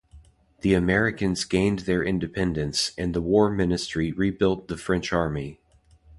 The Americans gained their independence, and the war ministry rebuilt the French army.